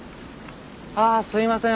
あすいません